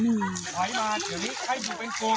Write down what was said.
สี่ห้าวขอยขึ้นมาขอยขึ้นมาจังจังจัง